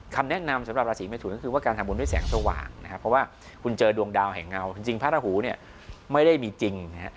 คำแนะนำสำหรับราศีเมทุนก็คือว่าการทำบุญด้วยแสงสว่างนะครับเพราะว่าคุณเจอดวงดาวแห่งเงาจริงพระราหูเนี่ยไม่ได้มีจริงนะฮะ